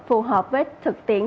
phù hợp với thực tiện